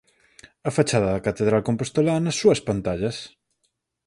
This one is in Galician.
A fachada da catedral compostelá nas súas pantallas.